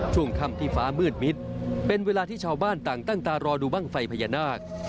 ช่วงค่ำที่ฟ้ามืดมิดเป็นเวลาที่ชาวบ้านต่างตั้งตารอดูบ้างไฟพญานาค